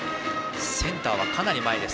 センターかなり前です